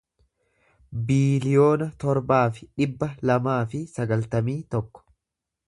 biiliyoona torbaa fi dhibba lamaa fi sagaltamii tokko